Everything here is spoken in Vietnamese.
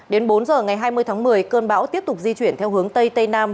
đến bốn giờ ngày hai mươi tháng một mươi cơn bão tiếp tục di chuyển theo hướng tây tây nam